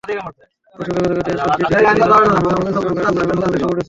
অসতর্কতার কারণে এসব জেটিতে পণ্য ওঠানো-নামানোর সময় শ্রমিকেরা দুর্ঘটনার মুখেও বেশি পড়ছেন।